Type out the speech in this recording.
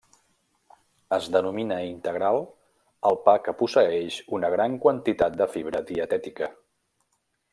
Es denomina integral al pa que posseeix una gran quantitat de fibra dietètica.